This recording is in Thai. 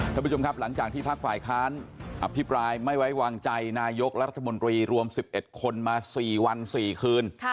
ท่านผู้ชมครับหลังจากที่ภาคฝ่ายค้านอภิปรายไม่ไว้วางใจนายกและรัฐมนตรีรวม๑๑คนมา๔วัน๔คืน